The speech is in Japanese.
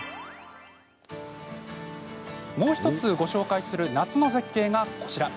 もう１つ、ご紹介する夏の絶景がこちら。